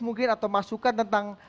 mungkin atau masukan tentang